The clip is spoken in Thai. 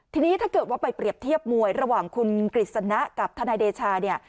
ทีนี้ถ้าเกิดว่าไปเปรียบเทียบมวยระหว่างคุณกฤษณะกับทนายเดชาเนี่ย